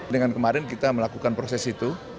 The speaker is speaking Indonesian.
dengan kemarin kita melakukan proses itu